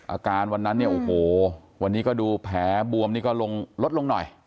อาการวันนั้นเนี่ยโอ้โหวันนี้ก็ดูแผลบวมนี่ก็ลดลงหน่อย